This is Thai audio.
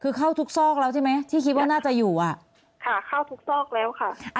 คือเข้าทุกซอกแล้วใช่ไหมที่คิดว่าน่าจะอยู่อ่ะขาเข้าทุกซอกแล้วค่ะ